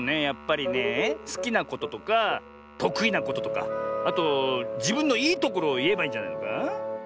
やっぱりねえすきなこととかとくいなこととかあとじぶんのいいところをいえばいいんじゃないのか？